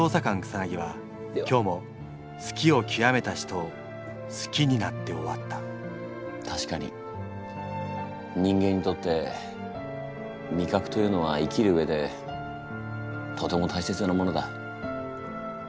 草は今日も好きをきわめた人を好きになって終わったたしかに人間にとって味覚というのは生きる上でとても大切なものだ。